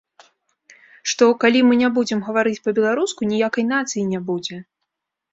Што, калі мы не будзем гаварыць па-беларуску, ніякай нацыі не будзе.